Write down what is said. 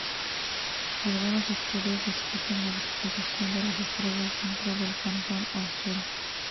Algunos estudiosos discuten la disposición de las estrellas dentro del cantón azul.